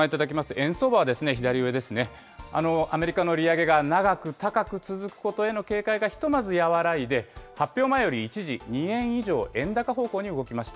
円相場は左上ですね、アメリカの利上げが長く高く続くことへの警戒がひとまず和らいで、発表前より一時、２円以上円高方向に動きました。